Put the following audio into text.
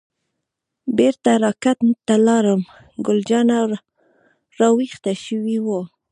بیرته را کټ ته لاړم، ګل جانه راویښه شوې وه.